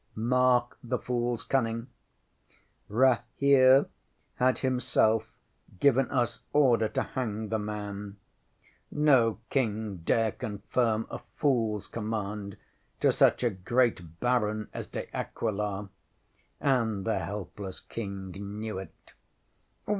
ŌĆØ ŌĆśMark the foolŌĆÖs cunning! Rahere had himself given us order to hang the man. No King dare confirm a foolŌĆÖs command to such a great baron as De Aquila; and the helpless King knew it.